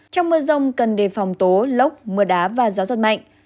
trong mưa rông cần đề phòng tố lốc mưa đá và gió giật mạnh